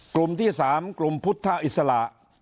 กลุ่มที่๓กลุ่มพุทธอิสระ